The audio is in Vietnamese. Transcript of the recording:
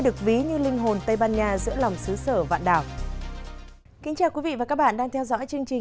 thưa quý vị chiều ngày một mươi chín tháng ba tại hà nội nhóm phụ nữ cộng đồng asean đã có buổi gặp mặt với chủ đề